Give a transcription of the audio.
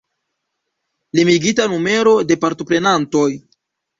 Limigita numero de partoprenantoj.